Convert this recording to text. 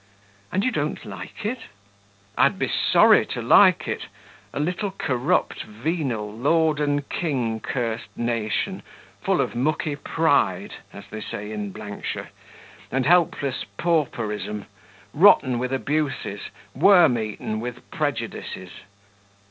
"And you don't like it?" "I'd be sorry to like it! A little corrupt, venal, lord and king cursed nation, full of mucky pride (as they say in shire), and helpless pauperism; rotten with abuses, worm eaten with prejudices!"